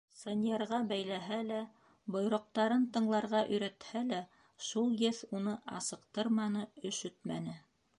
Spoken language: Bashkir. Сынйырға бәйләһә лә, бойороҡтарын тыңларға өйрәтһә лә, шул Еҫ уны асыҡтырманы, өшөтмәне.